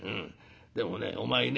でもねお前ね